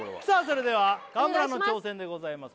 それでは川村の挑戦でございます